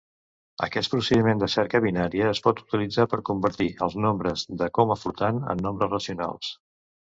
Aquest procediment de cerca binària es pot utilitzar per convertir els nombres de coma flotant en nombres racionals.